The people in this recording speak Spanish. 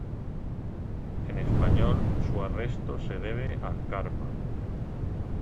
En español "Su arresto se debe al karma.